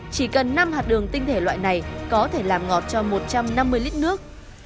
chỉ cần năm hạt đường tinh thể loại này có thể làm ngọt cho một trăm năm mươi lít nước